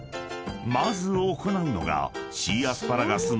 ［まず行うのが］